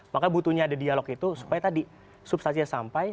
maka butuhnya ada dialog itu supaya tadi substansinya sampai